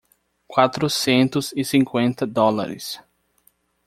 Quatrocentos e cinquenta dólares.